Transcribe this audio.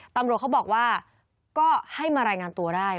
ตำรวจเขาบอกว่าก็ให้มารายงานตัวได้